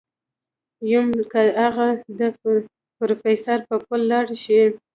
ويم که اغه د پروفيسر په پل لاړ شي.